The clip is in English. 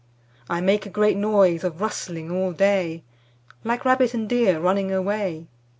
I make a great noise Of rustling all day Like rabbit and deer Running away.